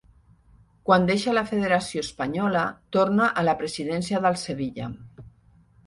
Quan deixa la Federació Espanyola torna a la presidència del Sevilla.